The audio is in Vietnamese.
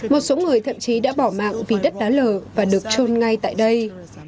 một số người thậm chí đã bỏ mạng vì đất đá lờ và được trôn ngay tại đây